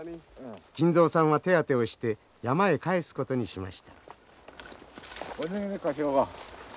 金蔵さんは手当てをして山へ帰すことにしました。